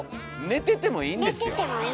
寝ててもいいんです。